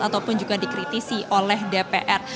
ataupun juga dikritisi oleh dpr